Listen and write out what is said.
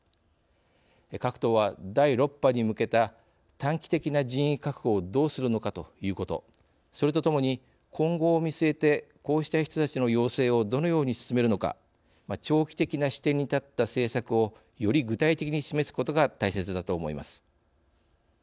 各党は第６波に向けた短期的な人員確保をどうするのかということそれとともに今後を見据えてこうした人たちの養成をどのように進めるのか長期的な視点に立った政策をより具体的に示すことが大切だと思います。